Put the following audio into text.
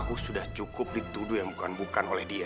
aku sudah cukup dituduh yang bukan bukan oleh dia